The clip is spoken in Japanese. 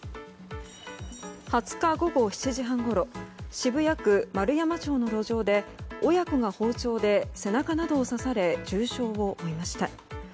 ２０日午後７時半ごろ渋谷区円山町の路上で親子が包丁で背中などを刺され重傷を負いました。